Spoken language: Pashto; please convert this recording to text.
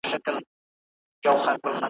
پام چي توی نه کړې مرغلیني اوښکي ,